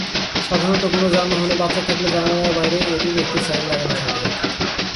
সাধারণত কোনো যানবাহনে বাচ্চা থাকলে জানালার বাইরে এটির একটি সাইন লাগানো থাকে।